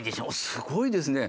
すごいですね！